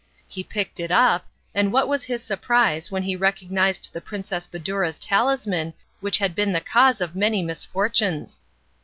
He picked it up, and what was his surprise when he recognised the Princess Badoura's talisman which had been the cause of many misfortunes.